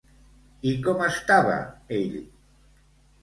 I com estava, ell?